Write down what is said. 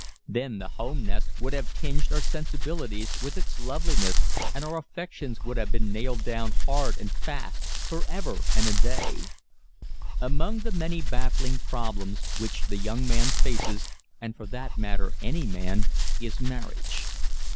Then the home nest would have tinged our sensibilities with its loveliness and our affections would have been nailed down hard and fast forever and a day. Among the many baffling problems which the young man faces, and for that matter, any man, is marriage.